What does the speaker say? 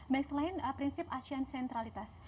baik selain prinsip asean sentralitas